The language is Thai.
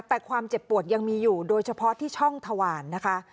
แต่ความเจ็บปวดยังมีอยู่โดยเฉพาะที่ช่องถวานนะคะ